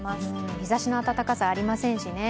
日ざしの暖かさありませんしね。